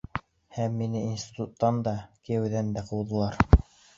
Һәм мине институттан да, кейәүлектән дә ҡыуҙылар.